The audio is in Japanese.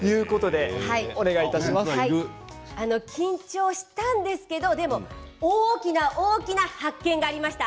緊張したんですけれど大きな大きな発見がありました。